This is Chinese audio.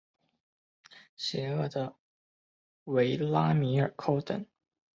邪恶的维拉米尔寇等。